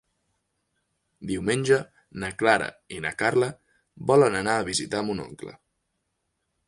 Diumenge na Clara i na Carla volen anar a visitar mon oncle.